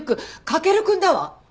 駆くんだわ。